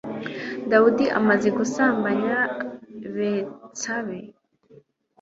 dawudi amaze gusambanya betsabe